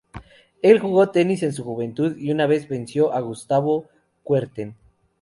Él jugó al tenis en su juventud y una vez venció a Gustavo Kuerten.